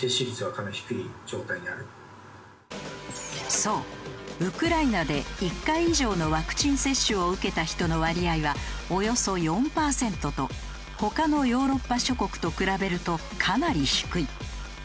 そうウクライナで１回以上のワクチン接種を受けた人の割合はおよそ４パーセントと他のヨーロッパ諸国と比べるとかなり低い。